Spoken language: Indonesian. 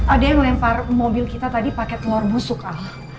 ada yang lempar mobil kita tadi pakai telur busuk